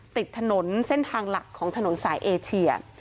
ติดถนนเส้นทางหลักของถนนสายเอเชีย